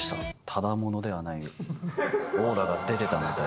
ただものではないオーラが出てたので。